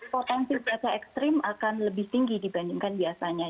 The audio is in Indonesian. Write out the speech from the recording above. potensi cuaca ekstrim akan lebih tinggi dibandingkan biasanya